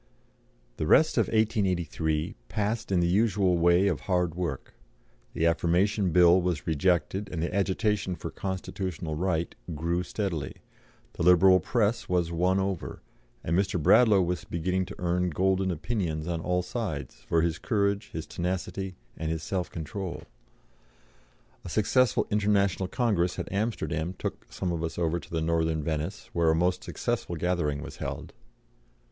The rest of 1883 passed in the usual way of hard work; the Affirmation Bill was rejected, and the agitation for Constitutional right grew steadily; the Liberal Press was won over, and Mr. Bradlaugh was beginning to earn golden opinions on all sides for his courage, his tenacity, and his self control. A successful International Congress at Amsterdam took some of us over to the Northern Venice, where a most successful gathering was held.